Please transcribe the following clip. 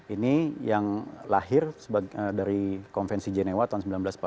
ini yang lahir dari konvensi genewa tahun seribu sembilan ratus empat puluh